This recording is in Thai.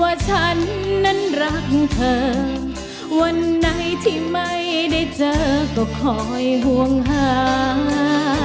ว่าฉันนั้นรักเธอวันไหนที่ไม่ได้เจอก็คอยห่วงหา